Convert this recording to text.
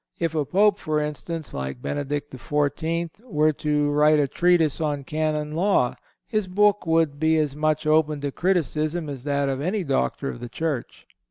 If a Pope, for instance, like Benedict XIV. were to write a treatise on Canon Law his book would be as much open to criticism as that of any Doctor of the Church.